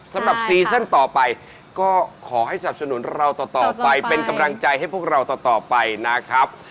ซีซั่นต่อไปก็ขอให้สับสนุนเราต่อไปเป็นกำลังใจให้พวกเราต่อไปนะครับ